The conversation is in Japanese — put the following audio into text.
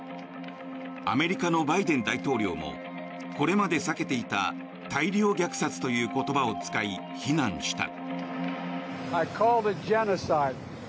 アメリカのバイデン大統領もこれまで避けていた大量虐殺という言葉を使い非難した。